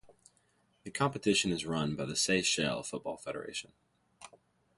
The competition is run by the Seychelles Football Federation.